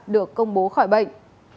được công bố khỏi bệnh